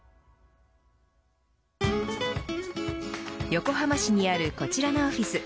横浜市にあるこちらのオフィス。